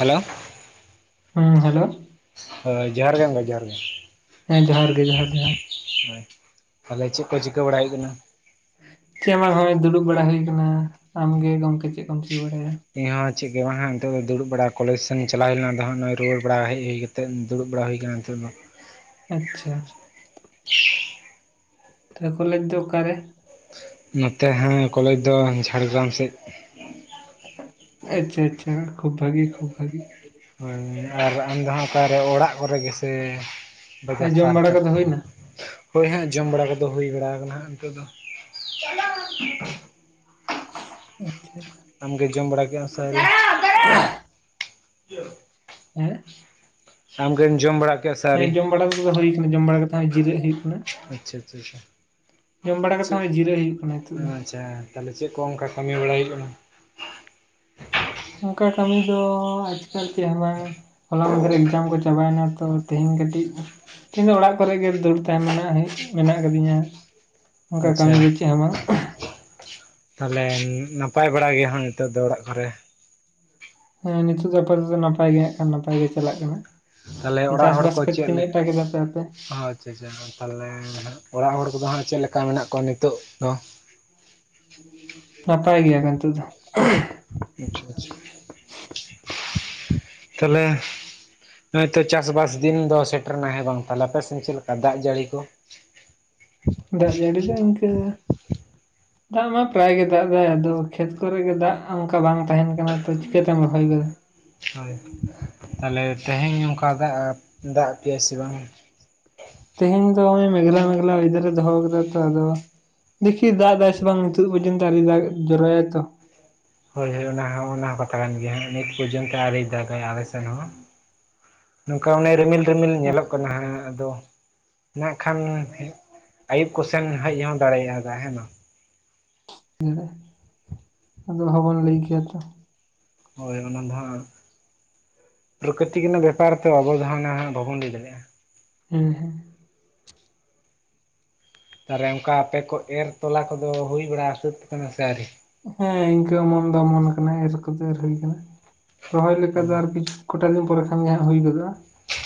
Hello ᱦᱩᱸ hello ᱦᱳᱭ, ᱡᱚᱦᱟᱨ ᱜᱮ ᱜᱚᱢᱠᱮ ᱡᱚᱦᱟᱨ ᱜᱮ ᱦᱮᱸ ᱡᱚᱦᱟᱨ ᱜᱮ ᱡᱚᱦᱟᱨ ᱡᱚᱦᱟᱨ ᱦᱳᱭ, ᱛᱟᱦᱚᱞᱮ ᱪᱮᱫ ᱠᱚ ᱪᱤᱠᱟᱹ ᱵᱟᱲᱟᱭᱮᱫ ᱠᱟᱱᱟ? ᱪᱮᱫ ᱦᱚ ᱵᱟᱝ ᱦᱚᱭ ᱫᱩᱲᱩᱵ ᱵᱟᱲᱟ ᱦᱩᱭ ᱟᱠᱟᱱᱟ ᱾ ᱟᱢᱜᱮ ᱜᱚᱝᱠᱮ ᱪᱮᱫ ᱠᱚᱢ ᱪᱤᱠᱟᱹ ᱵᱟᱲᱟᱭᱮᱜᱼᱟ? ᱤᱧᱦᱚᱸ ᱪᱮᱫ ᱜᱮ ᱵᱟᱝ ᱦᱟᱜ ᱱᱤᱛᱚᱜ ᱫᱚ ᱫᱩᱲᱩᱵ ᱵᱟᱲᱟ ᱠᱚᱞᱮᱡᱽ ᱥᱮᱱᱤᱧ ᱪᱟᱞᱟᱣ ᱦᱮᱡ ᱞᱮᱱᱟ ᱟᱫᱚ ᱦᱟᱜ ᱱᱚᱜ ᱨᱩᱣᱟᱹᱲ ᱵᱟᱲᱟ ᱦᱮᱡ ᱦᱩᱭ ᱠᱟᱛᱮ ᱛᱮᱫ ᱫᱩᱲᱩᱵ ᱵᱟᱲᱟ ᱦᱩᱭ ᱟᱠᱟᱱᱟ ᱱᱤᱛᱚᱜ ᱫᱚ ᱾ ᱟᱪᱪᱷᱟ ᱛᱚ ᱠᱚᱞᱮᱡᱽ ᱫᱚ ᱚᱠᱟᱨᱮ? ᱱᱚᱛᱮ ᱦᱟᱜ ᱠᱚᱞᱮᱡᱽ ᱫᱚ ᱡᱷᱟᱲᱜᱨᱟᱢ ᱥᱮᱫ ᱾ ᱟᱪᱪᱷᱟ ᱟᱪᱪᱷᱟ, ᱠᱷᱩᱵ ᱵᱷᱟᱹᱜᱤ ᱠᱷᱩᱵ ᱵᱷᱟᱹᱜᱤ ᱾ ᱦᱳᱭ ᱟᱨ ᱟᱢ ᱫᱚ ᱦᱟᱸᱜ ᱚᱠᱟᱨᱮ ᱚᱲᱟᱜ ᱠᱚᱨᱮ ᱜᱮᱥᱮ ᱵᱟᱡᱟᱨ ᱡᱚᱢ ᱥᱟᱨ ᱵᱟᱲᱟ ᱠᱚᱨᱮ ᱠᱚᱫᱚ ᱦᱩᱭᱱᱟ ᱾ ᱦᱳᱭ ᱦᱟᱸᱜ ᱡᱚᱢ ᱵᱟᱲᱟ ᱠᱚᱫᱚ ᱦᱩᱭ ᱵᱟᱲᱟ ᱟᱠᱟᱱᱟ ᱦᱟᱜ ᱱᱤᱛᱚᱜ ᱫᱚ ᱾ ᱪᱟᱞᱟᱜ ᱟᱠᱚ ᱟᱪᱪᱷᱟ ᱟᱢᱜᱮ ᱡᱚᱢ ᱵᱟᱲᱟ ᱠᱮᱜ ᱟᱢ ᱥᱮ ᱟᱹᱣᱨᱤ? ᱦᱮᱸ ᱟᱢᱜᱮᱢ ᱡᱚᱢ ᱵᱟᱲᱟ ᱠᱚᱣᱟ? ᱦᱮᱸ ᱡᱚᱢ ᱵᱟᱲᱟ ᱠᱟᱛᱮ ᱫᱚ ᱦᱩᱭ ᱠᱟᱱᱟ ᱡᱚᱢ ᱵᱟᱲᱟ ᱠᱟᱛᱮ ᱦᱚᱸ ᱡᱤᱨᱟᱹᱜ ᱦᱩᱭᱩᱜ ᱠᱟᱱᱟ᱾ ᱟᱪᱪᱷᱟ ᱟᱪᱪᱷᱟ ᱟᱪᱪᱷᱟ᱾ ᱡᱚᱢ ᱵᱟᱲᱟ ᱠᱟᱛᱮᱫ ᱪᱮᱫ ᱦᱚᱸᱜ ᱡᱤᱨᱟᱹᱜ ᱦᱩᱭᱩᱜ ᱠᱟᱱᱟ ᱱᱤᱛᱚᱜ ᱫᱚ᱾ ᱟᱪᱪᱷᱟ ᱛᱟᱦᱚᱞᱮ ᱪᱮᱫ ᱠᱚ ᱚᱱᱠᱟ ᱠᱟᱹᱢᱤ ᱵᱟᱲᱟᱭ ᱦᱩᱭᱩᱜ ᱠᱟᱱᱟ ᱾ ᱚᱱᱠᱟ ᱠᱟᱹᱢᱤ ᱫᱚ ᱟᱡᱟᱞ ᱪᱮᱫ ᱦᱚ ᱵᱟᱝ ᱦᱚᱞᱟ ᱢᱟᱫᱽᱮᱨ ᱮᱠᱡᱟᱢ ᱠᱚ ᱪᱟᱵᱟᱭᱮᱱᱟ ᱛᱚ ᱛᱮᱦᱮᱧ ᱠᱟᱹᱴᱤᱡᱼᱼ ᱛᱤᱦᱤᱧ ᱫᱚ ᱚᱲᱟᱜ ᱠᱚᱨᱮᱜ ᱜᱮ ᱫᱟᱹᱲ ᱛᱟᱦᱮᱸᱱᱟ ᱢᱮᱱᱟᱜ ᱟᱠᱟᱫᱤᱧᱟ᱾ ᱚᱱᱠᱟ ᱟᱪᱪᱷᱟ ᱠᱟᱹᱢᱤ ᱫᱚ ᱪᱮᱫ ᱦᱚᱸ ᱵᱟᱝ ᱛᱟᱞᱦᱮ ᱱᱟᱯᱟᱭ ᱵᱟᱲᱟ ᱜᱮᱭᱟ ᱦᱟᱜ ᱱᱤᱛᱳᱜ ᱫᱚ ᱚᱲᱟᱜ ᱠᱚᱨᱮ? ᱦᱮᱸ ᱱᱤᱛᱚᱜ ᱫᱚ ᱟᱯᱟᱛᱚᱛ ᱱᱟᱯᱟᱭ ᱜᱮ ᱦᱮ ᱱᱟᱯᱟᱭ ᱜᱮ ᱪᱟᱞᱟᱜ ᱠᱟᱱᱟ᱾ ᱛᱟᱦᱚᱞᱮ ᱚᱲᱟᱜ ᱪᱟᱥ ᱵᱟᱥ ᱠᱚ ᱛᱠᱤᱱ ᱫᱚ ᱟᱹ ᱴᱟ ᱠᱮᱫ ᱫᱟᱯᱮ ᱟᱯᱮ? ᱪᱮᱭᱟ ᱛᱟᱦᱚᱞᱮ ᱦᱟᱜ ᱚᱲᱟᱜ ᱦᱚᱲ ᱠᱚᱫᱚ ᱦᱟᱸᱜ ᱪᱮᱫ ᱞᱮᱠᱟ ᱢᱮᱱᱟᱜ ᱠᱚᱣᱟ ᱱᱤᱛᱳ ᱫᱚ? ᱦ [unintelligible] ᱱᱟᱯᱟᱭ ᱜᱮᱭᱟᱠᱚᱛ ᱱᱤᱛ ᱫᱚ᱾ ᱟᱪᱪᱷᱟ ᱟᱪᱪᱷᱟ ᱛᱟᱦᱚᱞᱮᱼᱼ ᱦᱳᱭᱛᱚ ᱪᱟᱥᱵᱥ ᱫᱤᱱ ᱫᱚ ᱥᱮᱴᱮᱨᱱᱟ ᱦᱮᱸ ᱵᱟᱝ ᱛᱟᱦᱚᱞᱮ ᱟᱯᱮᱥᱮᱫ ᱪᱮᱫ ᱞᱮᱠᱟ ᱫᱟᱜ ᱡᱟᱹᱲᱤ ᱠᱚ? ᱫᱟᱜ ᱡᱟᱹᱲᱤ ᱫᱚ ᱤᱱᱠᱟᱹᱼᱼᱼ [unintelligible] ᱫᱟᱜ ᱢᱟ ᱯᱨᱟᱭ ᱜᱮ ᱫᱟᱜ ᱮᱫᱟᱭ ᱟᱫᱚ ᱠᱷᱮᱛ ᱠᱚᱨᱮ ᱜᱮ ᱫᱟᱜ ᱚᱱᱠᱟ ᱵᱟᱝ ᱛᱟᱦᱮᱱ ᱠᱟᱱᱟ ᱛᱚ ᱪᱤᱠᱟᱹᱛᱮᱢ ᱨᱚᱦᱚᱭ ᱜᱚᱫᱟ᱾ ᱦᱳᱭ, ᱛᱟᱦᱞᱮ ᱛᱮᱦᱮᱧ ᱱᱚᱝᱠᱟ ᱫᱟᱜ ᱟᱫ ᱯᱮᱭᱟ ᱥᱮ ᱵᱟᱝ? ᱛᱮᱦᱮᱧ ᱫᱚ ᱱᱚᱜᱚᱭ ᱢᱮᱜᱷᱞᱟ ᱢᱮᱜᱽᱞᱟ ᱳᱭᱮᱫᱟᱨ ᱮ ᱫᱚᱦᱚ ᱟᱠᱫᱟ ᱛᱚ ᱟᱫᱚ ᱫᱠᱷᱤ ᱫᱟᱜ ᱮᱫᱟᱭ ᱥᱮ ᱵᱟᱝ ᱱᱤᱛᱚᱜ ᱯᱚᱨᱡᱚᱱᱛᱚ ᱟᱣᱨᱤ ᱫᱟᱜ ᱡᱚᱨᱚᱭᱟᱭ ᱛᱚ᱾ ᱦᱳᱭ ᱦᱳᱭ ᱚᱱᱟ ᱚᱱᱟ ᱦᱚᱸ ᱠᱟᱛᱷᱟ ᱠᱟᱱ ᱜᱮᱭᱟ ᱦᱟᱸᱜ ᱱᱤᱛ ᱯᱚᱨᱡᱚᱱᱛᱚ ᱟᱣᱨᱤ ᱫᱟᱜᱟᱭ ᱟᱞᱮ ᱥᱮᱱ ᱦᱚᱸ᱾ ᱱᱚᱝᱠᱟ ᱚᱱᱮ ᱨᱤᱢᱤᱞ ᱨᱤᱢᱤᱞ ᱧᱮᱞᱚᱜ ᱠᱟᱱᱟ ᱦᱟᱸᱜ ᱟᱫᱚ᱾ ᱢᱮᱱ ᱠᱷᱟᱱ ᱟᱹᱭᱩᱵ ᱠᱚᱥᱮᱱ ᱦᱮᱡ ᱦᱚᱸ ᱫᱟᱲᱮᱭᱟᱜ-ᱟ ᱫᱟᱜ ᱦᱮᱸ ᱵᱟᱝ? ᱟᱫᱚ ᱦᱚᱸᱵᱚᱱ ᱞᱟᱹᱭ ᱠᱮᱭᱟ ᱛᱚ᱾ ᱦᱳᱭ ᱚᱱᱟ ᱫᱚ ᱦᱟᱜ ᱯᱨᱚᱠᱨᱤᱛᱤᱠ ᱨᱮᱱᱟᱜ ᱵᱮᱯᱟᱨ ᱛᱚ ᱚᱵᱚᱫᱚ ᱱᱟᱦᱟᱜ ᱵᱟᱵᱚᱱ ᱞᱟᱹᱭ ᱫᱟᱲᱮᱭᱟᱜ-ᱟ᱾ ᱦᱮᱸ ᱦᱮᱸ᱾ ᱛᱟᱦᱚᱞᱮ ᱚᱱᱠᱟ ᱟᱯᱮ ᱠᱚ ᱮᱨ ᱛᱚᱞᱟ ᱠᱚᱫᱚ ᱦᱩᱭ ᱵᱟᱲᱟ ᱥᱟᱹᱛ ᱟᱠᱟᱱᱟ ᱥᱮ ᱟᱹᱣᱨᱤ? ᱦᱮᱸ ᱤᱱᱠᱟᱹ ᱚᱢᱚᱱ ᱫᱚ ᱚᱢᱚᱱ ᱟᱠᱟᱱᱟ ᱮᱨ ᱠᱚᱫᱚ ᱮᱨ ᱦᱩᱭ ᱟᱠᱟᱱᱟ ᱨᱚᱦᱚᱭ ᱞᱮᱠᱟ ᱫᱚ ᱟᱨ ᱠᱤᱪᱷᱩ ᱠᱚᱴᱟ ᱫᱤᱱ ᱯᱚᱨᱮ ᱠᱷᱟᱱ ᱜᱮ ᱦᱟᱸᱜ ᱦᱩᱭ ᱜᱚᱫᱚᱜᱼᱟ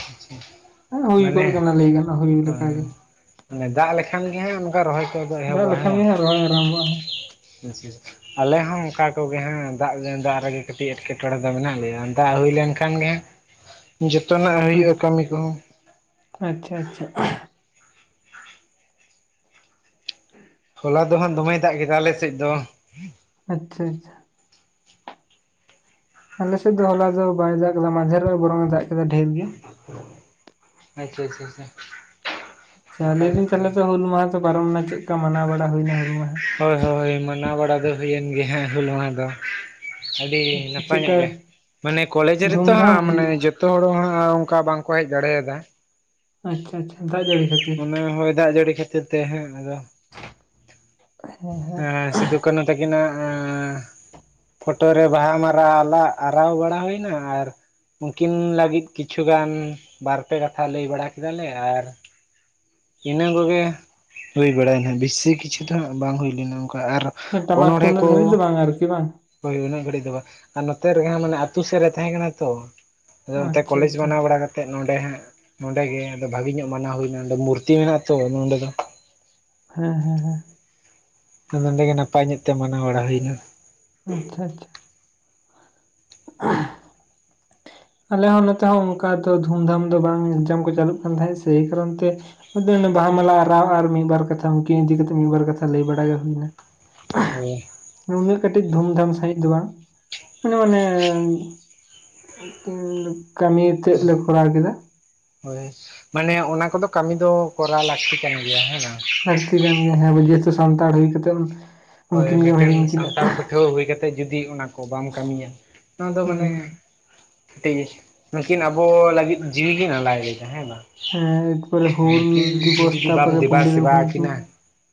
ᱟᱪᱪᱷᱟ [unintelligible] ᱦᱮ ᱦᱩᱭ ᱜᱚᱫ ᱢᱟᱱᱮ ᱠᱟᱱᱟ ᱞᱟᱹᱭ ᱜᱟᱱᱚᱜᱼᱟ ᱦᱩᱭ ᱞᱮᱠᱟᱜ ᱜᱮ᱾ ᱢᱟᱱᱮ ᱫᱟᱜ ᱞᱮᱠᱷᱟᱱ ᱜᱮ ᱦᱟᱜ ᱚᱱᱠᱟ ᱨᱚᱦᱚᱭ ᱠᱚᱫᱚ ᱫᱟᱜ ᱮᱦᱚᱵᱚᱜᱼᱟ ᱦᱮᱸ ᱞᱮᱠᱷᱟᱱ ᱜᱮ ᱵᱟᱝ? ᱦᱟᱜ ᱨᱚᱦᱚᱭ ᱟᱨᱟᱢᱵᱚᱜᱼᱟ᱾ [unintelligible] ᱟᱞᱮ ᱦᱚᱸ ᱚᱱᱠᱟ ᱠᱚᱜᱮ ᱦᱮᱸ ᱫᱟᱜ [unintelligible] ᱨᱮᱜᱮ ᱠᱟᱹᱴᱤᱡ ᱮᱴᱠᱮᱴᱚᱬᱮ ᱫᱚ ᱢᱮᱱᱟᱜ ᱞᱮᱭᱟ᱾ ᱫᱟᱜ ᱦᱩᱭ ᱞᱮᱱᱠᱷᱟᱱ ᱜᱮ ᱦᱟᱜ ᱡᱚᱛᱚᱱᱟᱜ ᱦᱟᱸᱜ ᱦᱩᱭᱩᱜᱼᱟ ᱠᱟᱹᱢᱤ ᱠᱚᱦᱚᱸ᱾ ᱟᱪᱪᱷᱟ ᱟᱪᱪᱷᱟ᱾ ᱦᱚᱞᱟ ᱫᱚ ᱦᱟᱸᱜ ᱫᱚᱢᱮᱭ ᱫᱟᱜ ᱠᱮᱫᱟ ᱟᱞᱮ ᱥᱮᱫ ᱫᱚ᱾ ᱟᱪᱪᱷᱟ ᱟᱪᱪᱷᱟ᱾ ᱟᱞᱮ ᱥᱮᱫ ᱫᱚ ᱦᱚᱞᱟ ᱫᱚ ᱵᱟᱭ ᱫᱟᱜ ᱟᱠᱫᱟ ᱢᱟᱦᱫᱮᱨᱚᱜ ᱵᱚᱨᱚᱝ ᱮ ᱫᱟᱜ ᱠᱮᱫᱟ ᱰᱷᱮᱨ ᱜᱮ᱾ ᱟᱪᱪᱷᱟ ᱟᱪᱪᱷᱟ ᱟᱪᱪᱷᱟ᱾ ᱞᱟᱹᱭ ᱱᱟᱯᱟᱭ ᱮᱫᱟ ᱞᱤᱧ ᱠᱟᱛᱷᱟ ᱛᱟᱦᱚᱞᱮ ᱜᱮ ᱛᱚ ᱦᱩᱞ ᱢᱟᱦᱟ ᱫᱚ ᱯᱟᱨᱚᱢ ᱮᱱᱟ ᱪᱮᱫ ᱞᱮᱠᱟ ᱢᱟᱱᱟᱣ ᱵᱟᱲᱟ ᱦᱩᱭᱱᱟ ᱦᱩᱞ ᱢᱟᱦᱟ? ᱦᱳᱭ ᱦᱳᱭ ᱢᱟᱱᱟᱣ ᱵᱟᱲᱟ ᱫᱚ ᱦᱩᱭᱮᱱ ᱜᱮ ᱦᱟᱸᱜ ᱦᱩᱞ ᱢᱟᱦᱟ ᱫᱚ᱾ ᱟᱹᱰᱤ ᱟᱪᱪᱷᱟ ᱱᱟᱯᱟᱭ ᱧᱚᱜ ᱪᱮᱫᱠᱟ ᱜᱮ ᱢᱟᱱᱮ ᱠᱚᱞᱮᱡᱽ ᱨᱮᱛᱚ ᱫᱷᱩᱢᱫᱷᱟᱢ ᱦᱟᱸᱜ ᱢᱟᱱᱮ ᱡᱚᱛᱚ ᱡᱚᱛᱚ ᱦᱚᱲᱦᱚᱸ ᱦᱟᱸᱜ ᱚᱱᱠᱟ ᱵᱟᱝᱠᱚ ᱦᱮᱡ ᱫᱟᱲᱮᱟᱫᱟ᱾ ᱟᱪᱪᱷᱟ ᱟᱪᱪᱷᱟ ᱫᱟᱜ ᱡᱟᱹᱲᱤ ᱠᱷᱟᱹᱛᱤᱨ᱾ ᱢᱚᱱᱮ ᱦᱳᱭ ᱫᱟᱜ ᱡᱟᱹᱲᱤ ᱠᱷᱟᱹᱛᱤᱨ ᱛᱮ ᱦᱮᱸ ᱟᱫᱚ᱾ ᱦᱮᱸ ᱥᱤᱫᱩ ᱠᱟᱱᱩ ᱛᱟᱹᱠᱤᱱᱟᱜ ᱯᱷᱚᱴᱚ ᱨᱮ ᱵᱟᱦᱟ ᱢᱟᱞᱟ [unintelligible] ᱟᱨᱟᱣ ᱵᱟᱲᱟ ᱦᱳᱭᱱᱟ ᱟᱨ ᱩᱱᱠᱤᱱ ᱞᱟᱹᱜᱤᱫ ᱠᱤᱪᱷᱩᱜᱟᱱ ᱵᱟᱨᱯᱮ ᱠᱟᱛᱷᱟ ᱞᱟᱹᱭ ᱵᱟᱲᱟ ᱠᱮᱫᱟᱞᱮ ᱟᱨ ᱤᱱᱟᱹ ᱠᱚᱜᱮ ᱦᱳᱭ ᱵᱟᱲᱟ ᱮᱱᱟ ᱵᱮᱥᱤ ᱠᱤᱪᱷᱩ ᱫᱚ ᱦᱟᱸᱜ ᱵᱟᱝ ᱦᱩᱭ ᱞᱮᱱᱟ ᱚᱱᱠᱟ ᱟᱨ ᱴᱟᱢᱟᱠ ᱚᱱᱚᱬᱦᱮᱸ ᱛᱩᱢᱫᱟᱜ ᱠᱚ ᱫᱷᱟᱨᱤᱡ ᱫᱚ ᱵᱟᱝ ᱟᱨᱠᱤ ᱵᱟᱝ ᱦᱳᱭ ᱩᱱᱟᱹᱜ ᱜᱷᱟᱹᱲᱤᱡ ᱫᱚ ᱵᱟᱝ ᱟᱨ ᱱᱚᱛᱮ ᱨᱮᱦᱟᱜ ᱢᱟᱱᱮ ᱟᱹᱛᱩ ᱥᱮᱫ ᱨᱮ ᱛᱟᱦᱮᱸ ᱠᱟᱱᱟ ᱛᱚ ᱾ ᱟᱫᱚ ᱚᱱᱛᱮ ᱟᱪᱪᱷᱟ ᱠᱚᱞᱮᱡ ᱟᱪᱪᱷᱟ ᱢᱟᱱᱟᱣ ᱵᱟᱲᱟ ᱠᱟᱛᱮᱜ ᱱᱚᱰᱮ ᱦᱟᱸᱜ ᱱᱚᱸᱰᱮᱜᱮ ᱵᱷᱟᱜᱤ ᱧᱚᱜ ᱢᱟᱱᱟᱣ ᱦᱩᱭᱮᱱᱟ ᱢᱩᱨᱛᱤ ᱢᱩᱨᱛᱤ ᱢᱮᱱᱟᱜ ᱟᱛᱚ ᱱᱚᱸᱰᱮ ᱫᱚ ᱾ ᱦᱮᱸ ᱦᱮᱸ ᱦᱮᱸ᱾ ᱱᱚᱰᱮ ᱜᱮ ᱱᱟᱯᱟᱭ ᱧᱚᱜ ᱛᱮ ᱢᱟᱱᱟᱣ ᱵᱟᱲᱟ ᱦᱩᱭ ᱮᱱᱟ ᱾ ᱟᱪᱪᱷᱟ ᱟᱪᱪᱷᱟ ᱾ [unintelligible] ᱟᱞᱮ ᱦᱚᱸ ᱱᱚᱛᱮ ᱦᱚᱸ ᱚᱱᱠᱟ ᱫᱚ ᱫᱷᱩᱢᱫᱷᱟᱢ ᱫᱚ ᱵᱟᱝ ᱮᱠᱡᱟᱢ ᱠᱚ ᱪᱟᱞᱩᱜ ᱠᱟᱱ ᱛᱟᱦᱮᱸᱫ ᱥᱮᱭ ᱠᱟᱨᱚᱱ ᱛᱮ ᱾ [unintelligible] ᱵᱟᱦᱟ ᱢᱟᱞᱟ ᱟᱨᱟᱣ ᱟᱨ ᱢᱤᱫᱵᱟᱨ ᱠᱟᱛᱷᱟ ᱩᱱᱠᱤᱱ ᱤᱫᱤ ᱠᱟᱛᱮᱫ ᱢᱤᱫᱵᱟᱨ ᱠᱟᱛᱷᱟ ᱞᱟᱹᱭ ᱵᱟᱲᱟ ᱜᱮ ᱦᱩᱭ ᱮᱱᱟ ᱾ ᱦᱳᱭ ᱩᱱᱟᱹᱜ ᱠᱟᱹᱴᱤᱡ ᱫᱷᱩᱢᱫᱷᱟᱢ ᱥᱟᱦᱤᱡ ᱫᱚ ᱵᱟᱝ ᱢᱟᱱᱮ ᱚᱱᱮ ᱠᱟᱹᱢᱤ ᱛᱮᱫ ᱞᱮ ᱠᱚᱨᱟᱣ ᱠᱮᱫᱟ ᱾ ᱦᱳᱭ ᱢᱟᱱᱮ ᱚᱱᱟ ᱠᱚᱫᱚ ᱠᱟᱹᱢᱤ ᱫᱚ ᱠᱚᱨᱟᱣ ᱞᱟᱹᱠᱛᱤ ᱠᱟᱱ ᱜᱮᱭᱟ ᱦᱮᱸ ᱵᱟᱝ ᱞᱟᱹᱠᱛᱤ ᱠᱟᱱ ᱜᱮᱭᱟ ᱦᱮᱸ ᱡᱮᱦᱮᱛᱩ ᱥᱟᱱᱛᱟᱲ ᱦᱩᱭ ᱠᱟᱛᱮᱜ ᱦᱳᱭ ᱢᱤᱴᱮᱱ ᱥᱟᱱᱛᱟᱲ ᱯᱟᱹᱴᱷᱩᱣᱟᱹ ᱦᱩᱭ ᱠᱟᱛᱮᱫ ᱡᱩᱫᱤ ᱚᱱᱟ ᱠᱚ ᱵᱟᱢ ᱠᱟᱹᱢᱤᱭᱟ ᱱᱚᱣᱟ ᱫᱚ ᱦᱮᱸ ᱢᱟᱱᱮ ᱢᱤᱴᱤᱡ ᱱᱩᱠᱤᱱ ᱟᱵᱚ ᱞᱟᱹᱜᱤᱫ ᱡᱤᱣᱤ ᱠᱤᱱ ᱟᱞᱟᱭ ᱞᱮᱫᱟ ᱦᱮᱸ ᱵᱟᱝ᱾ ᱮᱨᱯᱚᱨᱮ ᱦᱩᱞ ᱱᱩᱠᱤᱱ ᱫᱤᱵᱚᱥ ᱡᱩᱫᱤ ᱵᱟᱢ ᱛᱟᱨᱯᱚᱨᱮ ᱫᱮᱵᱟ ᱯᱚᱱᱰᱤᱛ ᱥᱮᱵᱟ ᱟᱠᱤᱱᱟ ᱨᱚᱜᱷᱩᱱᱟᱛᱷ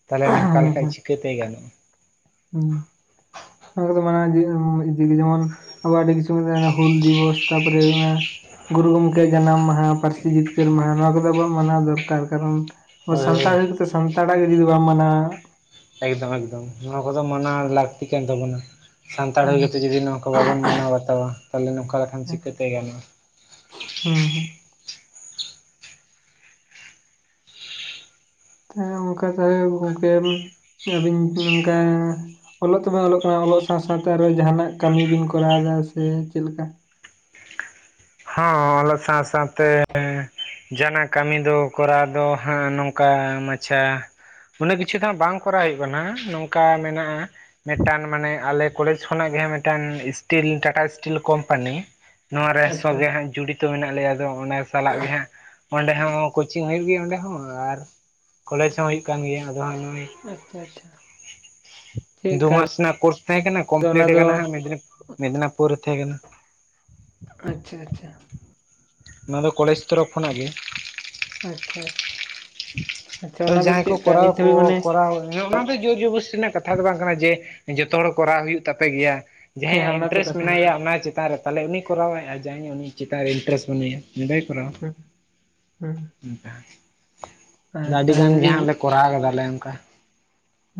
ᱛᱟᱞᱦᱮ ᱱᱚᱝᱠᱟ ᱞᱮᱠᱷᱟᱡ ᱪᱤᱠᱟᱹᱛᱮ ᱜᱟᱱᱚᱜᱼᱟ᱾ ᱦᱩᱸ ᱚᱱᱟ ᱠᱚᱫᱚ [unintelligible] ᱡᱮᱢᱚᱱ ᱟᱵᱚ ᱟᱹᱰᱤ ᱠᱤᱪᱷᱩ ᱦᱩᱞ ᱫᱤᱵᱚᱥ ᱛᱟᱯᱚᱨᱮ ᱜᱩᱨᱩ ᱜᱚᱝᱠᱮ ᱡᱟᱱᱟᱢ ᱢᱟᱦᱟ ᱯᱟᱹᱨᱥᱤ ᱡᱤᱛᱠᱟᱹᱨ ᱢᱟᱦᱟ ᱱᱚᱣᱟ ᱠᱚᱫᱚ ᱟᱵᱚ ᱢᱟᱱᱟᱣ ᱫᱚᱨᱠᱟᱨ ᱠᱟᱨᱚᱱ ᱦᱳᱭ ᱦᱳᱭ ᱥᱟᱱᱛᱟᱲ ᱦᱩᱭ ᱠᱟᱛᱮᱜ ᱥᱟᱱᱛᱟᱲᱟᱜ ᱜᱮ ᱡᱩᱫᱤ ᱵᱟᱢ ᱢᱟᱱᱟᱣᱟ᱾ ᱮᱠᱫᱚᱢ ᱮᱠᱫᱚᱢ ᱱᱚᱣᱟ ᱠᱚᱫᱚ ᱢᱟᱱᱟ ᱞᱟᱹᱠᱛᱤ ᱠᱟᱱ ᱛᱟᱵᱚᱱᱟ᱾ ᱥᱟᱱᱛᱟᱲ ᱦᱩᱭ ᱠᱟᱛᱮᱜ ᱡᱩᱫᱤ ᱱᱚᱣᱟ ᱠᱚ ᱵᱟᱵᱚᱱ ᱢᱟᱱᱟᱣ ᱵᱟᱛᱟᱣᱟ ᱛᱟᱞᱮ ᱱᱚᱝᱠᱟ ᱞᱮᱠᱷᱟᱱ ᱪᱤᱠᱟᱹᱛᱮ ᱜᱟᱱᱚᱜᱼᱟ᱾ ᱦᱩᱸ ᱦᱩᱸ [unintelligible] ᱚᱞᱚᱜ ᱛᱚᱵᱤᱱ ᱚᱞᱚᱜ ᱠᱟᱱᱟ ᱚᱞᱚᱜ ᱥᱟᱶ ᱥᱟᱶᱛᱮ ᱟᱨᱦᱚᱸ ᱡᱟᱦᱟᱱᱟᱜ ᱠᱟᱹᱢᱤ ᱵᱤᱱ ᱠᱚᱨᱟᱣ ᱫᱟ ᱥᱮ ᱪᱮᱫ ᱞᱮᱠᱟ᱾ ᱦᱚᱸ ᱚᱞᱚᱜ ᱥᱟᱶ ᱥᱟᱶᱛᱮ ᱡᱟᱸᱦᱟᱱᱟᱜ ᱠᱟᱹᱢᱤ ᱫᱚ ᱠᱚᱨᱟᱣ ᱫᱚ ᱦᱟᱸᱜ ᱱᱚᱝᱠᱟ ᱢᱟᱪᱷᱟ᱾ ᱩᱱᱟᱹᱜ ᱠᱤᱪᱷᱩ ᱫᱚ ᱵᱟᱝ ᱠᱚᱨᱟᱣ ᱦᱳᱭᱳᱜ ᱠᱟᱱᱟ ᱱᱚᱝᱠᱟ ᱢᱮᱱᱟᱜᱼᱟ᱾ ᱢᱮᱴᱟᱱ ᱢᱟᱱᱮ ᱟᱞᱮ ᱠᱚᱞᱮᱡᱽ ᱠᱷᱚᱱᱟᱜ ᱜᱮ ᱦᱟᱸᱜ ᱢᱮᱴᱟᱱ ᱤᱥᱴᱤᱞ ᱴᱟᱴᱟ ᱤᱥᱴᱤᱞ ᱠᱚᱢᱯᱟᱱᱤ᱾ ᱱᱚᱣᱟ ᱨᱮ ᱟᱪᱪᱷᱟ ᱥᱚᱜᱮ ᱦᱟᱸᱜ ᱡᱩᱲᱤᱛᱚ ᱢᱮᱱᱟᱜ ᱞᱮᱭᱟ ᱫᱚ ᱚᱱᱮ ᱥᱟᱞᱟᱜ ᱜᱮ ᱦᱟᱸᱜ᱾ ᱚᱸᱰᱮ ᱦᱚᱸ ᱠᱳᱪᱤᱝ ᱦᱤᱭᱩᱜ ᱜᱮᱭᱟ ᱚᱸᱰᱮ ᱦᱚᱸ ᱟᱨ ᱠᱚᱞᱮᱡᱽ ᱦᱚᱸ ᱦᱩᱭᱩᱜ ᱠᱟᱱ ᱜᱮᱭᱟ ᱟᱫᱚ ᱦᱟᱸᱜ ᱦᱚᱸᱜᱼᱚᱭ᱾ ᱟᱪᱪᱷᱟ ᱟᱪᱪᱷᱟ᱾ ᱫᱩ ᱪᱮᱫᱠᱟ ᱢᱟᱥ ᱨᱱᱟᱜ ᱠᱳᱨᱥ ᱛᱟᱦᱮᱸ ᱠᱟᱱᱟ, ᱚᱱᱟ ᱠᱚᱢᱯᱞᱤᱴ ᱫᱚ ᱠᱟᱱᱟ ᱦᱟᱜ ᱢᱮᱫᱱᱤᱯ ᱢᱮᱰᱱᱟᱯᱩᱨ ᱨᱮ ᱛᱟᱦᱮᱸ ᱠᱟᱱᱟ᱾ ᱟᱪᱪᱷᱟ ᱟᱪᱪᱷᱟ ᱚᱱᱟ ᱫᱚ ᱠᱚᱞᱮᱡᱽ ᱛᱚᱨᱚᱯ ᱠᱷᱚᱱᱟᱜ ᱜᱮ ᱟᱪᱪᱷᱟ ᱟᱪ ᱡᱟᱦᱟᱸᱭ ᱠᱚ ᱠᱚᱨᱟᱣ ᱱᱤᱛ ᱟᱠᱚ ᱦᱟᱹᱵᱤᱡ ᱢᱟᱱᱮ ᱠᱚᱨᱟᱣ᱾ ᱤᱧ ‌ᱦᱚᱸ ᱚᱱᱟ ᱫᱚ ᱡᱳᱨ ᱡᱚᱵᱚᱥᱛᱤ ᱨᱮᱱᱟᱜ ᱠᱟᱛᱷᱟ ᱫᱚ ᱵᱟᱝ ᱠᱟᱱᱟ ᱡᱮ ᱡᱚᱛᱚ ᱦᱚᱲ ᱠᱚᱨᱟᱣ ᱦᱩᱭᱩᱜ ᱛᱟᱯᱮ ᱜᱮᱭᱟ᱾ ᱦᱮᱸ ᱡᱟᱦᱟᱸᱭᱟᱜ ᱦᱮᱸ ᱚᱱᱟ ᱛᱚ ᱤᱱᱴᱨᱮᱥᱴ ᱠᱟᱛᱷᱟ ᱠᱟᱱ ᱢᱮᱱᱟᱭᱟ ᱜᱮᱭᱟ ᱚᱱᱟ ᱪᱮᱛᱟᱱ ᱨᱮ᱾ ᱛᱟᱞᱦᱮ ᱩᱱᱤᱭ ᱠᱚᱨᱟᱣᱟᱭ ᱟᱨ ᱡᱟᱦᱟᱸᱭ ᱩᱱᱤ ᱪᱤᱛᱟᱱ ᱨᱮ ᱤᱱᱴᱨᱮᱥᱴ ᱵᱟᱹᱱᱩᱭᱟ ᱩᱱᱤ ᱫᱟᱭ ᱠᱚᱨᱟᱣᱟ᱾ ᱦᱩᱸ ᱦᱩᱸ ᱟᱨ [unintelligible] ᱟᱹᱰᱤ ᱛᱟᱦᱚᱞᱮ ᱜᱟᱱ ᱡᱩᱫᱤ ᱜᱮᱦᱟᱸᱜ ᱞᱮ ᱠᱚᱨᱟᱣ ᱠᱟᱫᱟᱞᱮ ᱚᱝᱠᱟ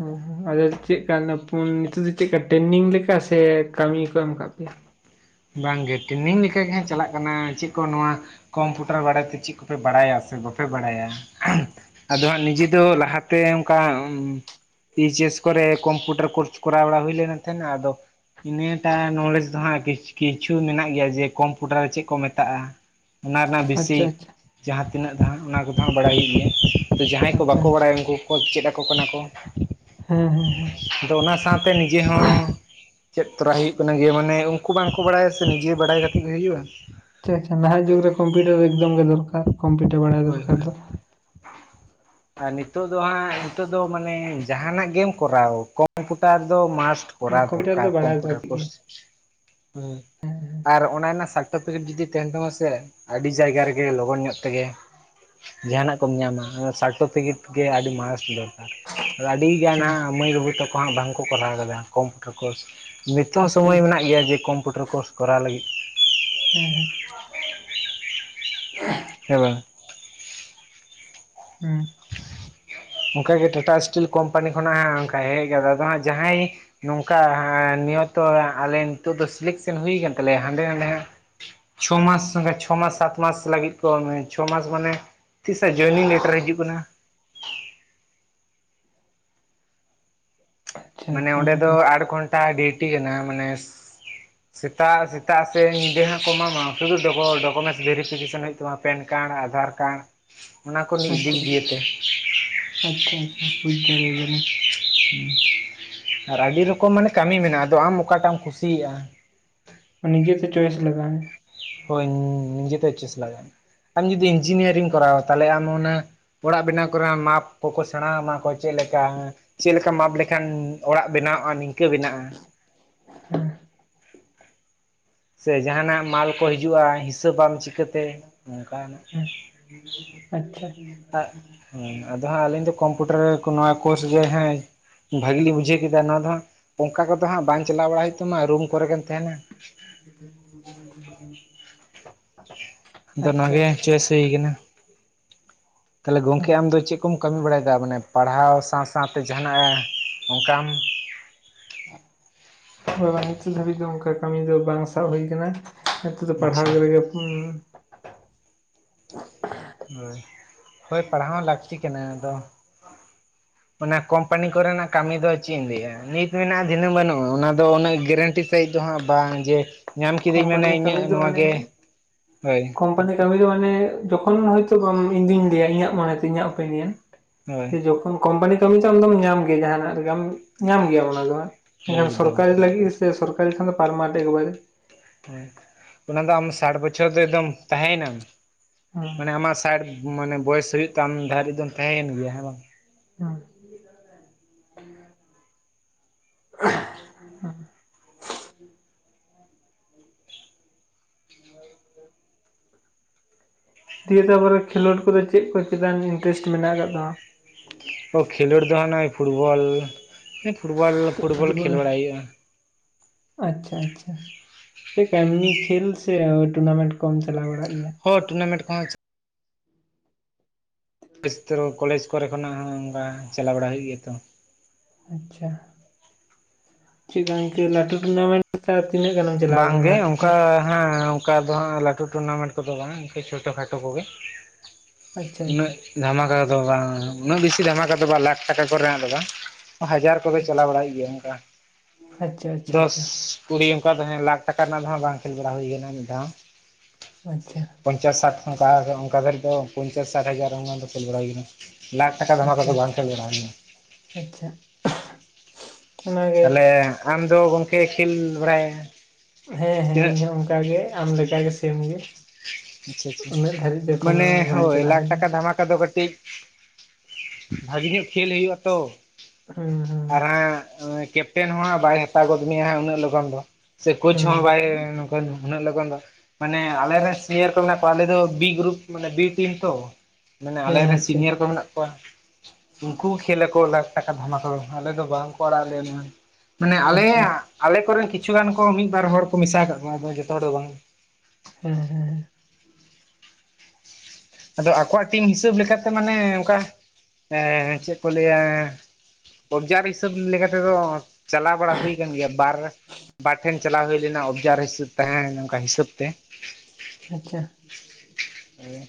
ᱦᱩᱸ ᱦᱩᱸ ᱦᱩᱸ, ᱟᱫᱚ ᱪᱮᱜᱠᱟᱹ ᱯᱩᱱ ᱱᱤᱛᱚᱜ ᱫᱚ ᱪᱮᱜᱠᱟ ᱴᱮᱝᱱᱤᱝ ᱞᱮᱠᱟ ᱥᱮ ᱠᱟᱹᱢᱤ ᱠᱚ ᱮᱢ ᱠᱟᱜ ᱯᱮᱭᱟ ᱵᱟᱝᱜᱮ ᱴᱮᱱᱤᱝ ᱞᱮᱠᱟ ᱜᱮᱦᱟᱸᱜ ᱪᱟᱞᱟᱜ ᱠᱟᱱᱟ ᱪᱮᱜ ᱠᱚ ᱱᱚᱣᱟ ᱠᱚᱢᱯᱩᱴᱟᱨ ᱵᱟᱨᱮᱛᱮ ᱪᱮᱫ ᱠᱚᱯᱮ ᱵᱟᱲᱟᱭᱟ ᱥᱮ ᱵᱟᱯᱮ ᱵᱟᱲᱟᱭᱟ, ᱟᱫᱚ ᱦᱟᱸᱜ ᱱᱤᱡᱮ ᱫᱚ ᱞᱟᱦᱟᱛᱮ ᱚᱝᱠᱟ ᱮᱭᱤᱪ ᱮᱥ ᱠᱚᱨᱮ ᱠᱚᱢᱯᱤᱭᱩᱴᱟᱨ ᱠᱳᱨᱥ ᱠᱚᱨᱟᱣ ᱵᱟᱲᱟ ᱦᱩᱭ ᱞᱮᱱ ᱛᱟᱸᱦᱮᱱᱟ᱾ ᱟᱫᱚ ᱱᱤᱭᱮᱴᱟ ᱱᱚᱞᱡᱽ ᱫᱚ ᱦᱟᱸᱜ ᱠᱤᱪᱷᱩ ᱠᱤᱪᱷᱩ ᱢᱮᱱᱟᱜ ᱜᱮᱭᱟ ᱡᱮ, ᱠᱚᱢᱯᱩᱴᱟᱨ ᱪᱮᱫ ᱠᱚ ᱢᱮᱛᱟᱜᱼᱟ, ᱚᱱᱟ ᱨᱮᱱᱟᱜ ᱟᱪᱪᱷᱟ ᱵᱮᱥᱤᱤᱠ ᱟᱪᱪᱷᱟ ᱡᱟᱸᱦᱟᱸ ᱛᱤᱱᱟᱹᱜ ᱫᱚᱦᱟᱸᱜ ᱚᱱᱟ ᱠᱚᱫᱚ, ᱦᱟᱸᱜ ᱵᱟᱲᱟᱭ ᱦᱩᱭᱩᱜ ᱜᱮᱭᱟ ᱛᱚ ᱡᱟᱦᱟᱸᱭ ᱠᱚ ᱠᱚ ᱟᱪᱪᱷᱟ ᱵᱟᱠᱚ ᱟᱪᱪᱷᱟ ᱵᱟᱲᱟᱭᱟ ᱩᱱᱠᱩ ᱠᱚ ᱪᱮᱫ ᱟᱠᱚ ᱠᱟᱱᱟ ᱠᱚ᱾ ᱦᱮᱸ ᱦᱮᱸ ᱦᱮᱸ ᱟᱫᱚ ᱚᱱᱟ ᱥᱟᱶᱛᱮ ᱱᱤᱡᱮ ᱦᱚᱸ‌ ᱪᱮᱫ ᱛᱚᱨᱟᱭ ᱦᱩᱭᱩᱜ ᱠᱟᱱᱟ ᱜᱮ ᱢᱟᱱᱮ ᱩᱱᱠᱩ ᱵᱟᱝᱠᱚ ᱠᱚ ᱵᱟᱲᱟᱭᱟ ᱥᱮ ᱱᱤᱡᱮ ᱵᱟᱲᱟᱭ ᱠᱟᱛᱮ ᱜᱮ ᱦᱩᱭᱩᱜᱼᱟ ᱟᱪᱪᱷᱟ ᱟᱪᱪᱷᱟ ᱱᱟᱦᱟᱜ ᱡᱩᱜᱽ ᱨᱮ ᱠᱚᱢᱯᱤᱭᱩᱴᱟᱨ ᱮᱠᱫᱚᱢ ᱜᱮ ᱫᱚᱨᱠᱟᱨ᱾ ᱠᱚᱢᱯᱤᱭᱩᱴᱟᱨ ᱵᱟᱲᱟᱭ ᱦᱳᱭ ᱫᱚᱨᱠᱟᱨ ᱦᱳᱭ ᱫᱚ, ᱟᱨ ᱱᱤᱛᱚᱜ ᱫᱚ ᱦᱟᱸᱜ, ᱱᱤᱛᱚᱜ ᱫᱚ ᱢᱟᱱᱮ ᱡᱟᱸᱦᱟᱱᱟᱜ ᱜᱮᱢ ᱠᱚᱨᱟᱣ ᱠᱚᱢᱯᱩᱴᱟᱨ ᱫᱚ ᱢᱟᱥᱴ ᱠᱚᱨᱟᱣ ᱠᱚᱢᱯᱤᱭᱩᱴᱟᱨ ᱫᱚᱨᱠᱟᱨ ᱫᱚ ᱵᱟᱲᱟᱭ ᱠᱚᱢᱯᱤᱭᱩᱴᱟᱨ ᱞᱟᱹᱠᱛᱤ ᱜᱮ ᱠᱳᱨᱥ, ᱦᱩᱸ ᱟᱨ ᱚᱱᱟ ᱨᱮᱱᱟᱜ ᱥᱟᱨᱴᱤᱯᱷᱤᱠᱮᱴ ᱡᱩᱫᱤ ᱛᱮᱦᱮᱱ ᱛᱟᱢᱟ ᱥᱮ, ᱟᱹᱰᱤ ᱡᱟᱭᱜᱟ ᱨᱮᱜᱮ ᱞᱚᱜᱚᱱ ᱧᱚᱜ ᱛᱮᱜᱮ ᱡᱟᱦᱟᱱᱟᱜ ᱠᱚᱢ ᱧᱟᱢᱟ, ᱚᱱᱟ ᱥᱟᱨᱴᱚᱯᱷᱤᱠᱮᱴ ᱜᱮ ᱟᱹᱰᱤ ᱢᱟᱥᱴ ᱫᱚᱨᱠᱟᱨ, ᱟᱫᱚ ᱟᱹᱰᱤᱜᱟᱱ ᱟᱪᱪᱷᱟ ᱦᱟᱸᱜ ᱢᱟᱹᱭ ᱵᱟᱱᱩ ᱛᱟᱠᱚ ᱦᱟᱸᱜ ᱵᱟᱝᱠᱚ ᱠᱚᱨᱦᱟᱣ ᱠᱟᱫᱟ ᱠᱚᱢᱯᱤᱭᱩᱴᱟᱨ ᱠᱳᱨᱥ ᱱᱤᱛᱚᱜ ᱦᱚᱸ ᱟᱪᱪᱷᱟ ᱥᱳᱚᱢᱚᱭ ᱟᱪᱪᱷᱟ ᱢᱮᱱᱟᱜ ᱜᱮᱭᱟ, ᱡᱮ ᱠᱚᱢᱯᱤᱭᱩᱴᱟᱨ ᱠᱳᱨᱥ ᱠᱚᱨᱟᱣ ᱞᱟᱹᱜᱤᱫ ᱦᱮᱸ ᱦᱮᱸ [unintelligible] [unintelligible] ᱦᱮᱸ ᱾ ᱚᱱᱠᱟ ᱜᱮ ᱴᱟᱴᱟ ᱤᱥᱴᱤᱞ ᱠᱳᱢᱯᱟᱱᱤ ᱠᱷᱚᱱᱟᱜ ᱚᱱᱠᱟᱭ ᱦᱮᱡ ᱠᱟᱫᱟ, ᱟᱫᱚ ᱦᱟᱸᱜ ᱡᱟᱦᱟᱸᱭ ᱼᱼ ᱱᱚᱝᱠᱟ ᱱᱤᱭᱚᱛᱚ ᱟᱞᱮ ᱱᱤᱛᱚᱜ ᱫᱚ ᱥᱤᱞᱮᱠᱥᱮᱱ ᱦᱩᱭ ᱠᱟᱱ ᱛᱟᱞᱮᱭᱟ ᱦᱟᱸᱰᱮ ᱱᱟᱰᱮ ᱦᱟᱸᱜ ᱼᱼ ᱪᱷᱚ ᱢᱟᱥ ᱪᱷᱚ ᱢᱟᱥ ᱥᱟᱛ ᱢᱟᱥ ᱞᱟᱹᱜᱤᱫ ᱠᱚ ᱪᱷᱚ ᱢᱟᱥ ᱢᱟᱱᱮ ᱼᱼ ᱛᱤᱥᱚᱜ ᱡᱚᱭᱮᱱᱤᱝ ᱞᱮᱴᱟᱨ ᱦᱤᱡᱩᱜ ᱠᱟᱱᱟ? ᱟᱪᱪᱷᱟ ᱢᱟᱱᱮ ᱟᱪᱪᱷᱟ ᱚᱸᱰᱮ ᱫᱚ ᱚᱱᱠᱟ ᱟᱴ ᱜᱷᱚᱱᱴᱟ ᱰᱤᱭᱩᱴᱤ ᱠᱟᱱᱟ ᱢᱟᱱᱮ ᱼᱼ ᱥᱮᱛᱟᱜ ᱥᱮᱛᱟᱜ ᱥᱮ ᱧᱤᱫᱟᱹ ᱦᱟᱸᱜ ᱠᱚ ᱮᱢᱟᱢᱟ, ᱥᱩᱫᱩ ᱰᱚᱠᱚ ᱰᱚᱠᱚᱢᱮᱱᱴᱥ ᱵᱷᱮᱨᱤᱯᱷᱤᱠᱮᱥᱚᱱ ᱦᱩᱭᱩᱜ ᱛᱟᱢᱟ ᱾ ᱯᱮᱱ ᱠᱟᱬ ᱟᱫᱷᱟᱨ ᱠᱟᱬ ᱚᱱᱟ ᱠᱚ [unintelligible] ᱟᱪᱪᱷᱟ ᱟᱪᱪᱷᱟ ᱤᱫᱤᱭᱟᱛᱮ ᱾ ᱟᱪᱪᱷᱟ ᱟᱪᱪᱷᱟ ᱵᱩᱡᱽ ᱫᱟᱲᱮᱭᱟᱫᱟ ᱞᱤᱧ ᱾ ᱟᱨ ᱟᱹᱰᱤ ᱨᱚᱠᱚᱢ ᱢᱟᱱᱮ ᱠᱟᱹᱢᱤ ᱢᱮᱱᱟᱜᱼᱟ ᱾ ᱟᱫᱚ ᱟᱢ ᱚᱠᱟᱴᱟᱜ ᱮᱢ ᱠᱩᱥᱤᱭᱟᱜᱼᱟ ᱾ ᱱᱤᱡᱮᱛᱮ ᱪᱚᱭᱮᱥ ᱞᱟᱜᱟᱜᱼᱟ ᱾ ᱦᱳᱭ ᱱᱤᱡᱮ ᱛᱮ ᱪᱚᱭᱮᱥ ᱞᱟᱜᱟᱜᱼᱟ ᱾ ᱟᱢ ᱡᱩᱫᱤ ᱤᱧᱡᱤᱱᱤᱭᱟᱨ ᱮᱢ ᱠᱚᱨᱟᱣᱟ ᱛᱟᱦᱚᱞᱮ ᱟᱢ ᱚᱱᱟ ᱼᱼ ᱚᱲᱟᱜ ᱵᱮᱱᱟᱣ ᱠᱚ ᱨᱮᱱᱟᱜ ᱢᱟᱯ ᱠᱚᱠᱚ ᱥᱮᱬᱟ ᱟᱢᱟ ᱚᱠᱟᱠᱚ ᱪᱮᱫ ᱞᱮᱠᱟ ᱾ ᱪᱮᱫ ᱞᱮᱠᱟ ᱢᱟᱯ ᱞᱮᱠᱷᱟᱱ ᱚᱲᱟᱜ ᱵᱮᱱᱟᱣᱚᱜᱼᱟ ᱱᱤᱝᱠᱟᱹ ᱵᱮᱱᱟᱜᱼᱟ ᱾ ᱦᱮᱸ ᱾ ᱥᱮ ᱡᱟᱦᱟᱱᱟᱜ ᱢᱟᱞ ᱠᱚ ᱦᱤᱡᱩᱜᱼᱟ, ᱦᱤᱥᱟᱹᱵᱟᱢ ᱪᱤᱠᱟᱹᱛᱮ ᱱᱚᱝᱠᱟᱱᱟᱜ ᱾ ᱟᱪᱪᱷᱟ ᱾ ᱦᱮᱸ ᱟᱫᱚ ᱦᱟᱸᱜ ᱟᱹᱞᱤᱧ ᱫᱚ ᱠᱚᱢᱯᱩᱴᱟᱨ ᱠᱚ ᱱᱚᱣᱟ ᱠᱳᱨᱥ ᱜᱮ ᱦᱮᱸ ᱼᱼ ᱵᱷᱟᱹᱜᱤ ᱞᱤᱧ ᱵᱩᱡᱷᱟᱹᱣ ᱠᱮᱫᱟ ᱾ ᱱᱚᱣᱟ ᱫᱚ ᱦᱟᱸᱜ ᱚᱱᱠᱟ ᱠᱚ ᱫᱚ ᱦᱟᱸᱜ ᱵᱟᱝ ᱪᱟᱞᱟᱣ ᱵᱟᱲᱟ ᱦᱩᱭᱩᱜ ᱛᱟᱢᱟ, ᱨᱩᱢ ᱠᱚᱨᱮ ᱜᱮᱢ ᱛᱟᱦᱮᱱᱟ ᱾ [unintelligible] [inaudible] ᱟᱫᱚ ᱚᱱᱟ ᱟᱪᱪᱷᱟ ᱜᱮ ᱟᱪᱪᱷᱟ ᱪᱚᱭᱮᱥ ᱦᱩᱭ ᱠᱟᱱᱟ ᱛᱟᱦᱞᱮ ᱜᱚᱢᱠᱮ ᱟᱢ ᱟᱪᱪᱷᱟ ᱫᱚ ᱪᱮᱫ ᱼᱼ ᱠᱚᱢ ᱠᱟᱹᱢᱤ ᱵᱟᱲᱟᱭᱫᱟ? ᱢᱟᱱᱮ ᱯᱟᱲᱦᱟᱣ ᱥᱟᱶ ᱥᱟᱶᱛᱮ ᱡᱟᱦᱟᱱᱟᱜ ᱚᱱᱠᱟᱢ ᱼᱼ ᱵᱟᱝ ᱵᱟᱝ ᱱᱤᱛᱚᱜ ᱫᱷᱟᱹᱵᱤᱡ ᱫᱚ ᱚᱱᱠᱟ ᱠᱟᱹᱢᱤ ᱫᱚ ᱵᱟᱝ ᱥᱟᱵ ᱦᱩᱭ ᱠᱟᱱᱟ ᱾ ᱯᱟᱲᱦᱟᱣ ᱟᱪᱪᱷᱟ ᱨᱮᱜᱮ [unintelligible] ᱦᱳᱭ ᱯᱟᱲᱦᱟᱣ ᱦᱚ ᱞᱟᱹᱠᱛᱤ ᱠᱟᱱᱟ ᱾ ᱟᱫᱚᱼᱼ ᱚᱱᱟ ᱠᱳᱢᱯᱟᱱᱤ ᱠᱚ ᱨᱮᱱᱟᱜ ᱠᱟᱹᱢᱤ ᱫᱚ ᱪᱮᱫ ᱤᱧ ᱞᱟᱹᱭᱟ ᱾ ᱱᱤᱛ ᱢᱮᱱᱟᱜᱼᱟ, ᱫᱷᱤᱱᱟᱹᱝ ᱵᱟᱹᱱᱩᱜᱼᱟ ᱚᱱᱟ ᱫᱚ ᱩᱱᱟᱹᱜ ᱜᱮᱨᱮᱱᱴᱤ ᱼᱼ ᱥᱟᱺᱦᱤᱡ ᱫᱚ ᱦᱟᱸᱜ ᱵᱟᱝ ᱡᱮ, ᱧᱟᱢ ᱠᱤᱫᱟᱹᱧ ᱢᱟᱱᱮ ᱠᱳᱢᱯᱟᱱᱤ ᱤᱧᱟᱹᱜ ᱠᱟᱹᱢᱤ ᱱᱚᱣᱟ ᱜᱮ ᱦᱳᱭ ᱼᱼ ᱟᱱᱟ ᱠᱟᱹᱢᱤ ᱫᱚ ᱢᱟᱱᱮ ᱡᱚᱠᱷᱚᱱ ᱦᱚᱭᱛᱚ ᱤᱧ ᱫᱩᱧ ᱞᱟᱹᱭᱟ ᱤᱧᱟᱹᱜ ᱢᱚᱱᱮ ᱛᱮ ᱤᱧᱟᱜ ᱚᱯᱤᱱᱤᱭᱚᱱ ᱾ ᱦᱳᱭ ᱡᱚᱠᱷᱚᱱ ᱠᱳᱢᱯᱟᱱᱤ ᱠᱟᱹᱢᱤ ᱛᱚ ᱟᱢ ᱫᱚᱢ ᱧᱟᱢ ᱜᱮᱭᱟ, ᱡᱟᱦᱟᱱᱟᱜ ᱨᱮᱜᱮ ᱟᱢ ᱧᱟᱢ ᱜᱮᱭᱟᱢ ᱚᱱᱟ ᱫᱚ ᱦᱟᱸᱜ ᱾ ᱦᱳᱭ ᱮᱱᱠᱷᱟᱱ ᱮᱠᱫᱚᱢ ᱥᱚᱨᱠᱟᱨᱤ ᱞᱟᱹᱜᱤᱫ ᱥᱮ ᱥᱚᱨᱠᱟᱨᱤ ᱠᱷᱟᱱ ᱯᱟᱨᱢᱟᱱᱮᱱᱴ ᱮᱠ ᱵᱟᱨᱮ ᱾ ᱚᱱᱟ ᱫᱚ ᱟᱢ ᱥᱟᱴ ᱵᱚᱪᱷᱚᱨ ᱫᱚ ᱮᱠᱫᱚᱢ ᱛᱟᱸᱦᱮᱭᱮᱱᱟᱢ, ᱢᱟᱱᱮ ᱟᱢᱟᱜ ᱥᱟᱴ ᱼᱼ ᱢᱟᱱᱮ ᱵᱚᱭᱮᱥ ᱦᱩᱭᱩᱜ ᱛᱟᱢ ᱫᱷᱟᱹᱨᱤᱡ ᱫᱚᱢ ᱛᱟᱦᱮᱸᱭᱮᱱ ᱜᱮᱭᱟ ᱦᱮᱸ ᱵᱟᱝ ᱾ [unintelligible] ᱫᱤᱭᱮ ᱛᱟᱨᱯᱚᱨᱮ ᱠᱷᱮᱞᱳᱰ ᱠᱚᱫᱚ ᱪᱮᱫ ᱠᱚ ᱪᱮᱛᱟᱱ ᱤᱱᱴᱟᱨᱮᱥᱴ ᱢᱮᱱᱟᱜ ᱟᱠᱟᱫ ᱛᱟᱢᱟ? ᱚ ᱠᱷᱮᱞᱳᱰ ᱫᱚ ᱦᱟᱸᱜ ᱱᱚᱜᱼᱚᱭ ᱯᱷᱩᱴᱵᱚᱞ ᱯᱷᱩᱴᱵᱚᱞ ᱯᱷᱩᱴᱵᱚᱞ ᱠᱷᱮᱞ ᱵᱟᱲᱟᱭ ᱦᱩᱭᱩᱜᱼᱟ ᱾ ᱟᱪᱪᱷᱟ ᱟᱪᱪᱷᱟ ᱾ ᱪᱮᱫ ᱠᱟ ᱮᱢᱱᱤ ᱠᱷᱮᱞ ᱥᱮ ᱴᱩᱱᱟᱢᱮᱱᱴ ᱠᱚᱢ ᱪᱟᱞᱟᱣ ᱵᱟᱲᱟᱜ ᱜᱮᱭᱟ? ᱦᱚ ᱴᱩᱱᱟᱢᱮᱱᱴ ᱠᱚᱦᱚᱸ ᱼᱼ [unintelligible] ᱛᱮᱦᱚᱸ ᱠᱚᱞᱮᱡᱽ ᱠᱚᱨᱮ ᱠᱷᱚᱱᱟᱜ ᱦᱚᱸ ᱚᱱᱠᱟ ᱪᱟᱞᱟᱣ ᱵᱟᱲᱟ ᱦᱩᱭᱩᱜ ᱜᱮᱭᱟ ᱛᱚ ᱾ ᱟᱪᱪᱷᱟ, ᱪᱮᱫ ᱠᱟ ᱜᱚᱝᱠᱮ ᱞᱟᱹᱴᱩ ᱴᱩᱱᱟᱢᱮᱱᱴ? ᱛᱤᱱᱟᱹᱜ ᱜᱟᱱᱮᱢ ᱪᱟᱞᱟᱣ ᱟᱠᱟᱱᱟ ᱵᱟᱝᱜᱮ ᱞᱟᱴᱩ ᱚᱱᱠᱟ ᱴᱩᱱᱟᱢᱮᱱᱴ? ᱦᱮᱸ ᱚᱱᱠᱟ ᱫᱚ ᱦᱟᱸᱜ ᱞᱟᱹᱴᱩ ᱴᱩᱨᱱᱟᱢᱮᱱᱴ ᱠᱚᱫᱚ ᱵᱟᱝ ᱤᱱᱠᱟᱹ ᱪᱷᱳᱴᱳ ᱠᱷᱟᱴᱳ ᱠᱚᱜᱮ ᱾ ᱟᱪᱪᱷᱟ ᱟᱪᱪᱷᱟ ᱩᱱᱟᱹᱜ ᱫᱷᱟᱢᱟᱠᱟ ᱫᱚ ᱵᱟᱝ ᱩᱱᱟᱹᱜ ᱵᱮᱥᱤ ᱫᱷᱟᱢᱟᱠᱟ ᱫᱚ ᱵᱟᱝ ᱞᱟᱠᱷ ᱴᱟᱠᱟ ᱠᱚ ᱨᱮᱱᱟᱜ ᱫᱚ ᱵᱟᱝ ᱾ ᱦᱟᱡᱟᱨ ᱠᱚ ᱫᱚ ᱟᱪᱪᱷᱟ ᱪᱟᱞᱟᱣ ᱵᱟᱲᱟ ᱦᱩᱭᱩᱜ ᱜᱮᱭᱟ ᱚᱱᱠᱟ ᱫᱚᱥ, ᱟᱪᱪᱷᱟ ᱠᱩᱲᱤ ᱾ ᱚᱱᱠᱟ ᱫᱚ ᱦᱮᱸ ᱞᱟᱠᱷ ᱴᱟᱠᱟ ᱨᱮᱱᱟᱜ ᱫᱚ ᱦᱟᱸᱜ ᱵᱟᱝ ᱠᱷᱮᱞ ᱵᱟᱲᱟ ᱦᱩᱭ ᱠᱟᱱᱟ ᱢᱤᱫ ᱫᱷᱟᱣ ᱦᱚᱸ ᱾ ᱟᱪᱪᱷᱟ ᱾ ᱯᱚᱧᱪᱟᱥ ᱥᱟᱴ ᱚᱱᱠᱟ ᱚᱱᱠᱟ ᱫᱷᱟᱹᱨᱤᱡ ᱫᱚ ᱯᱚᱧᱪᱟᱥ ᱥᱟᱴ ᱦᱟᱡᱟᱨ ᱚᱱᱟ ᱫᱚ ᱠᱷᱮᱞ ᱵᱟᱲᱟ ᱦᱩᱭ ᱠᱟᱱᱟ ᱾ ᱞᱟᱠᱷ ᱴᱟᱠᱟ ᱟᱪᱪᱷᱟ ᱫᱷᱟᱢᱟᱠᱟ ᱟᱪᱪᱷᱟ ᱟᱪᱪᱷᱟ ᱫᱚ ᱵᱟᱝ ᱠᱷᱮᱞ ᱵᱟᱲᱟ ᱦᱩᱭ ᱠᱟᱱᱟ ᱾ ᱟᱪᱪᱷᱟ ᱾ ᱛᱟᱦᱞᱮ ᱠᱷᱟᱱᱫᱚ ᱜᱚᱝᱠᱮ ᱠᱷᱮᱞ ᱵᱟᱲᱟᱭᱟ, ᱦᱮᱸ ᱦᱮᱸ ᱤᱧᱦᱚᱸ ᱚᱱᱠᱟ ᱜᱮ ᱟᱢ ᱞᱮᱠᱟ ᱜᱮ ᱥᱮᱢ ᱜᱮ। [unintelligible] ᱟᱪᱪᱷᱟ ᱟᱪᱪᱷᱟ ᱩᱱᱟᱹᱜ ᱫᱷᱟᱹᱨᱤᱡ ᱫᱚ ᱮᱠᱷᱚᱱᱳ ᱢᱟᱱᱮ ᱵᱟᱝ ᱦᱳᱭ ᱪᱟᱞᱟᱣ ᱞᱟᱠᱷ ᱴᱟᱠᱟ ᱦᱩᱭ ᱫᱷᱟᱢᱟᱠᱟᱫᱚ ᱠᱟᱹᱴᱤᱡ [inaudible] ᱵᱷᱟᱜᱮ ᱧᱚᱜ ᱠᱷᱮᱞ ᱦᱩᱭᱩᱜ ᱟᱛᱚ ᱠᱟᱱᱟ ᱦᱩᱸ ᱦᱩᱸ ᱟᱨ ᱦᱟᱸᱜ [inaudible] ᱠᱮᱯᱴᱮᱱ [unintelligible] ᱠᱮᱯᱴᱮᱱ ᱦᱚᱸᱦᱟᱸᱜ ᱵᱟᱭ ᱦᱟᱛᱟᱣ ᱜᱚᱫ ᱢᱮᱭᱟ ᱩᱱᱟᱹᱜ ᱞᱚᱜᱚᱱ ᱫᱚ ᱥᱮ ᱠᱳᱪ ᱦᱩᱸ ᱦᱚᱸ ᱵᱟᱭ ᱩᱱᱟᱹᱜ ᱞᱚᱜᱚᱱ ᱫᱚ ᱢᱟᱱᱮ ᱟᱞᱮᱞᱮ ᱥᱤᱱᱤᱭᱟᱨ ᱠᱚ ᱢᱮᱱᱟᱜ ᱠᱚᱣᱟ ᱟᱞᱮ ᱫᱚ ᱵᱤ ᱜᱨᱩᱯ ᱢᱟᱱᱮ ᱵᱤ ᱴᱤᱢ ᱛᱚ, ᱢᱟᱱᱮ ᱟᱞᱮ ᱦᱮᱸ ᱨᱮᱱ ᱟᱪᱪᱷᱟ ᱥᱤᱱᱤᱭᱟᱨ ᱠᱚ ᱢᱮᱱᱟᱜ ᱠᱚᱣᱟ। ᱩᱱᱠᱩ ᱠᱷᱮᱞ ᱟᱠᱚ ᱞᱟᱠᱷ ᱴᱟᱠᱟ ᱫᱷᱟᱢᱟ ᱠᱚᱫᱚ ᱟᱞᱮ ᱫᱚ ᱵᱟᱝᱠᱚ ᱟᱲᱟᱜ ᱟ ᱞᱮᱭᱟ। ᱢᱟᱱᱮ ᱟᱪᱪᱷᱟ ᱟᱞᱮᱭᱟᱜ ᱟᱞᱮ ᱠᱚᱨᱮᱱ ᱠᱤᱪᱷᱩ ᱜᱟᱱ ᱠᱚ ᱢᱤᱫ ᱵᱟᱨ ᱦᱚᱲ ᱠᱚ ᱢᱮᱥᱟ ᱠᱟᱜ ᱠᱚᱣᱟ ᱟᱫᱚ ᱡᱚᱛᱚ ᱦᱚᱲ ᱫᱚ ᱵᱟᱝ। ᱦᱮᱸ ᱦᱮᱸ ᱟᱫᱚ ᱟᱠᱚᱣᱟᱜ ᱴᱤᱢ ᱦᱤᱥᱟᱹᱵ ᱞᱮᱠᱟᱛᱮ ᱢᱟᱱᱮ ᱚᱱᱠᱟ ᱮᱻ ᱪᱮᱫ ᱠᱚ ᱞᱟᱹᱭᱟ, ᱚᱵᱡᱟᱨ ᱦᱤᱥᱟᱹᱵ ᱞᱮᱠᱟ ᱛᱮᱫᱚ, ᱪᱟᱞᱟᱣ ᱵᱟᱲᱟ ᱦᱩᱭ ᱟᱠᱟᱱ ᱜᱮᱭᱟ ᱵᱟᱨ ᱵᱟᱨ ᱴᱷᱮᱱ ᱪᱟᱞᱟᱣ ᱦᱩᱭ ᱞᱮᱱᱟ ᱚᱵᱽᱡᱟᱨ ᱦᱤᱥᱟᱹᱵ ᱛᱟᱦᱮᱸ ᱚᱝᱠᱟ ᱦᱤᱥᱟᱹᱵ ᱛᱮ ᱟᱪᱪᱷᱟ, [inaudible] ᱚ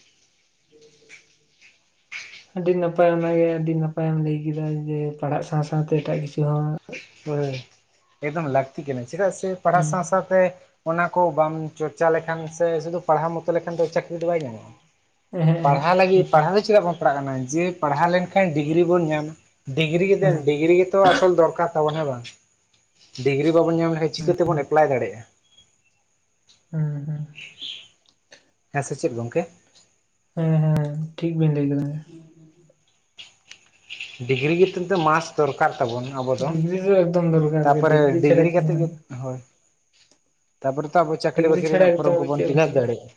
[unintelligible] ᱟᱹᱰᱤ ᱱᱟᱯᱟᱭ ᱚᱱᱟᱜᱮ ᱟᱹᱰᱤ ᱱᱟᱯᱟᱭᱮᱢ ᱞᱟᱹᱭ ᱠᱮᱫᱟ ᱡᱮ ᱯᱟᱲᱦᱟᱜ ᱥᱟᱶ ᱥᱟᱶᱛᱮ ᱮᱴᱟᱜ ᱠᱤᱪᱷᱩ ᱦᱚᱸ, [inaudible] ᱦᱳᱭ ᱮᱠᱫᱚᱢ ᱞᱟᱹᱠᱛᱤ ᱠᱟᱱᱟ ᱪᱮᱫᱟᱜ ᱥᱮ ᱯᱟᱲᱦᱟᱣ ᱦᱮᱸ ᱥᱟᱶ ᱥᱟᱶ, ᱚᱱᱟ ᱠᱚ ᱵᱟᱢ ᱪᱚᱨᱪᱟ ᱞᱮᱠᱷᱟᱱ ᱥᱮ ᱥᱩᱫᱷᱩ ᱯᱟᱲᱦᱟᱣ [unintelligible] ᱡᱚᱛᱚ ᱞᱮᱠᱟᱱ ᱫᱚ ᱪᱟᱹᱠᱨᱤ ᱫᱚ ᱵᱟᱭ ᱧᱟᱢᱚᱜᱼᱟ ᱦᱮᱸ ᱦᱮᱸ ᱯᱟᱲᱦᱟᱣ ᱞᱟᱹᱜᱤᱫ ᱮᱠᱫᱚᱢ ᱯᱟᱲᱦᱟᱣ ᱪᱮᱫᱟᱜ ᱵᱟᱝ, ᱯᱟᱲᱟᱜ ᱠᱟᱱᱟᱢ ᱡᱮ ᱯᱟᱲᱦᱟᱣ ᱞᱮᱱᱠᱷᱟᱱ ᱰᱤᱜᱽᱨᱤ ᱵᱚᱱ ᱧᱟᱢ ᱰᱤᱜᱽᱨᱤ ᱜᱮ ᱦᱮᱸ ᱰᱤᱜᱽᱨᱤ ᱜᱮᱛᱚ ᱟᱥᱚᱞ ᱫᱚᱨᱠᱟᱨ ᱛᱟᱵᱚᱱ ᱦᱮᱸ ᱵᱟᱝ ᱰᱤᱜᱽᱨᱤ ᱵᱟᱵᱚᱱ ᱧᱟᱢ ᱞᱮᱠᱷᱟᱱ ᱪᱤᱠᱟᱹᱛᱮᱵᱚᱱ ᱮᱯᱞᱟᱭ ᱫᱟᱲᱮᱭᱟᱜᱼᱟ। ᱦᱩᱸ ᱦᱩᱸ। ᱦᱮᱸ ᱥᱮ ᱪᱮᱫ ᱜᱚᱝᱠᱮ। ᱦᱳᱭᱸ ᱴᱷᱤᱠ ᱵᱤᱱ ᱞᱟᱹᱭ ᱠᱮᱫᱟ। ᱰᱤᱜᱽᱨᱤ [unintelligible] ᱠᱤᱱᱛᱩ ᱢᱟᱥ ᱫᱚᱨᱠᱟᱨ ᱛᱟᱵᱚᱱ। ᱟᱵᱚ ᱫᱚ, ᱰᱤᱜᱽᱨᱤ ᱮᱠᱫᱚᱢ ᱫᱚᱨᱠᱟᱨ ᱜᱮ ᱛᱟᱯᱚᱨᱮ ᱪᱷᱟᱲᱟ ᱰᱤᱜᱽᱨᱤ ᱪᱮᱫ ᱦᱚᱸ ᱠᱟᱛᱮᱜ ᱵᱟᱝ ᱜᱮ, ᱦᱩᱭᱩᱜᱼᱟ ᱦᱳᱭ ᱛᱟᱯᱚᱨᱮ ᱛᱚ ᱟᱵᱚ ᱪᱟᱹᱠᱨᱤ ᱰᱤᱜᱽᱨᱤ ᱵᱟᱹᱠᱨᱤ ᱪᱷᱟᱲᱟ ᱨᱮᱱᱟᱜ ᱯᱷᱚᱨᱚᱢ ᱮᱠᱫᱚᱢ ᱠᱚᱵᱚᱱ ᱪᱮᱫ ᱦᱚᱸ ᱵᱟᱝ ᱯᱤᱞᱟᱥ ᱦᱩᱭᱩᱜᱼᱟ ᱦᱮᱸ ᱫᱟᱲᱮᱭᱟᱜᱼᱟ।